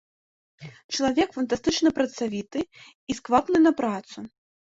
Чалавек фантастычна працавіты і сквапны на працу.